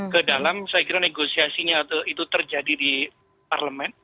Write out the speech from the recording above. kedalam saya kira negosiasinya itu terjadi di parlemen